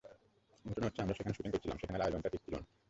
ঘটনা হচ্ছে, আমরা যেখানে শুটিং করছিলাম, সেখানকার আয়োজনটা ঠিক ছিল না।